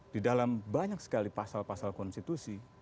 di dalam banyak sekali pasal pasal konstitusi